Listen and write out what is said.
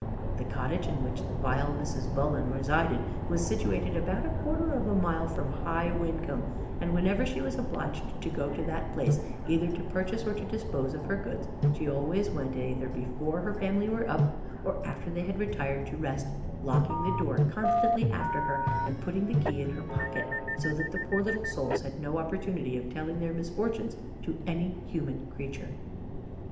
The cottage in which the vile Mrs. Bullen resided was situated about a quarter of a mile from High Wycombe; and whenever she was obliged to go to that place, either to purchase or to dispose of her goods, she always went either before her family were up, or after they had retired to rest, locking the door constantly after her, and putting the key in her pocket, so that the poor little souls had no opportunity of telling their misfortunes to any human creature.